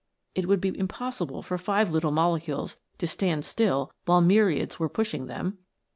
It would be impossible for five little mole cules to stand still while myriads were pushing them.